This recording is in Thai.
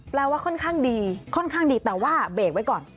ว่าค่อนข้างดีค่อนข้างดีแต่ว่าเบรกไว้ก่อน